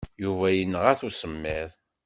Yuba yenɣa-t usemmiḍ.